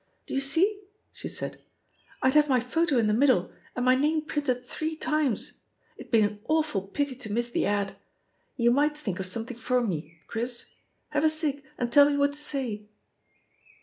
*T)o you see ?" she said. "I'd have my photo in the middle, and my name printed three times. It'd be an awful pity to miss the ad I You might think of something for me, Chris. Have a ci^, and tell me what to say."